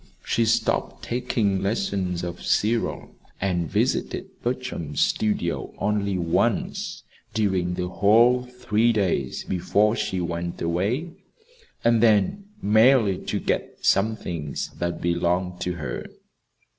She stopped taking lessons of Cyril, and visited Bertram's studio only once during the whole three days before she went away, and then merely to get some things that belonged to her.